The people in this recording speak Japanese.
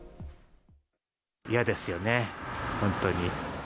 嫌ですよね、本当に。